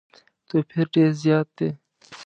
توپیر ډېر زیات دی.